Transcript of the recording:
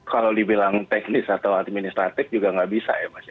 kalau dibilang teknis atau administratif juga nggak bisa ya mas ya